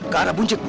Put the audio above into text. gak ada buncit bu